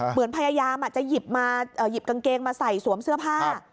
พยายามจะหยิบกางเกงมาใส่สวมเสื้อผ้า